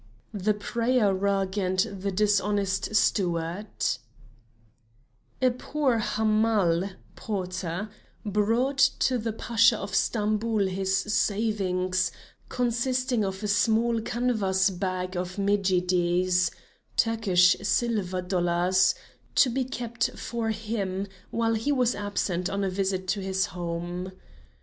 THE PRAYER RUG AND THE DISHONEST STEWARD A poor Hamal (porter) brought to the Pasha of Stamboul his savings, consisting of a small canvas bag of medjidies (Turkish silver dollars), to be kept for him, while he was absent on a visit to his home.